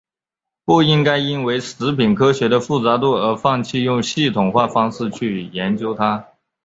不应该因为食品科学的复杂度而放弃用系统化方式去研究它。